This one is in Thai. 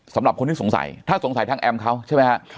สำหรับคนที่สงสัยถ้าสงสัยทางแอมเขาใช่ไหมฮะ